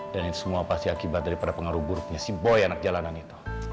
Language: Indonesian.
dan itu semua pasti akibat daripada pengaruh buruknya si boy anak jalanan itu